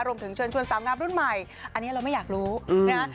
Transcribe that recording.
เชิญชวนสาวงามรุ่นใหม่อันนี้เราไม่อยากรู้นะฮะ